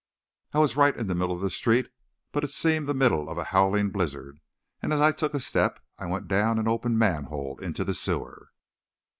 I was right in the middle of the street but it seemed the middle of a howling blizzard, and as I took a step, I went down an open manhole into the sewer.